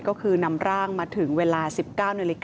ก็คือนำร่างมาถึงเวลา๑๙น